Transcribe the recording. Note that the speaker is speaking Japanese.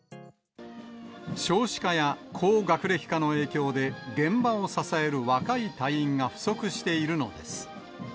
少子化や高学歴化の影響で、現場を支える若い隊員が不足しているのです。